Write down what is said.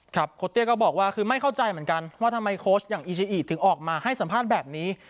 โคตเตี้ยก็บอกว่าคือไม่เข้าใจเหมือนกันว่าทำไมโค้ชอย่างอีชิอิถึงออกมาให้สัมภาษณ์แบบนี้